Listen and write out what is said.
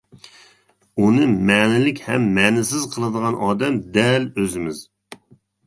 ئۇنى مەنىلىك ھەم مەنىسىز قىلىدىغان ئادەم دەل ئۆزىمىز.